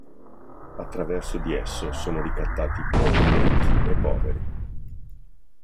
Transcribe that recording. Attraverso di esso sono ricattati popoli ricchi e poveri.